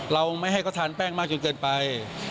เราไม่ให้เขาทานแป้งมากจนเกินไป